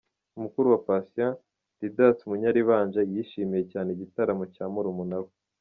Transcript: Mukuru wa Patient, Didace Munyaribanje yishimiye cyane igitaramo cya murumuna we.